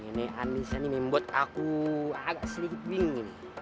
ini anissa membuat aku agak sedikit bingung